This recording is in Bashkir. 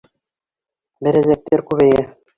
— Берәҙәктәр күбәйә.